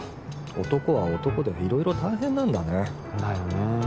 男は男で色々大変なんだねだよね